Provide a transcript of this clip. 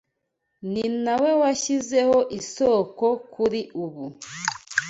Ni na we washyizeho isoko kuri ubu